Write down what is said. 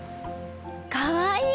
かわいい！